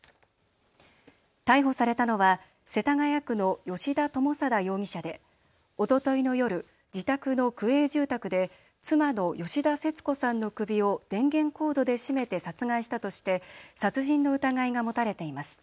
逮捕されたのは世田谷区の吉田友貞容疑者でおとといの夜、自宅の区営住宅で妻の吉田節子さんの首を電源コードで絞めて殺害したとして殺人の疑いが持たれています。